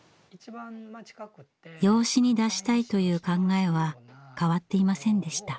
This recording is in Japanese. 養子に出したいという考えは変わっていませんでした。